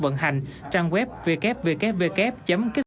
với hàng triệu vé siêu kích cầu khuyến mại dành riêng cho chương trình